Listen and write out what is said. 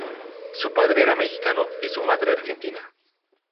Su padre era mexicano y su madre, argentina.